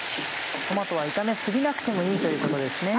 トマトは炒め過ぎなくてもいいということですね。